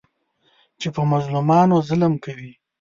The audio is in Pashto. چې په مظلومانو ظلم کوي.